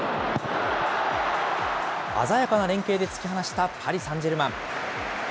鮮やかな連携で突き放したパリサンジェルマン。